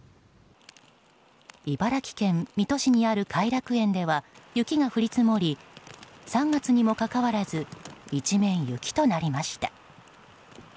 茨城県水戸市にある偕楽園では雪が降り積もり３月にもかかわらず一面、雪となりました。